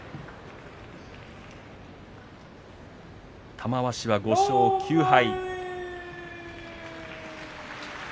玉鷲は５勝９敗。